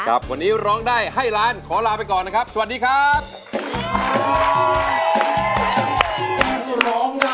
วันนี้ร้องได้ให้ล้านขอลาไปก่อนนะครับสวัสดีครับ